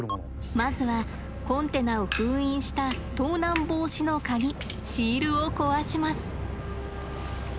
まずはコンテナを封印した盗難防止の鍵シールを壊します。